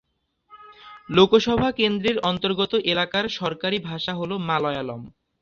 লোকসভা কেন্দ্রের অন্তর্গত এলাকার সরকারি ভাষা হল মালয়ালম।